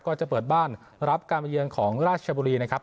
ก็จะเปิดบ้านรับการมาเยือนของราชบุรีนะครับ